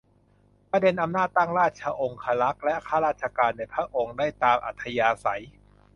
ประเด็นอำนาจตั้งราชองครักษ์และข้าราชการในพระองค์ได้ตามอัธยาศัย